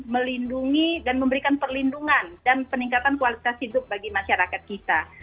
melindungi dan memberikan perlindungan dan peningkatan kualitas hidup bagi masyarakat kita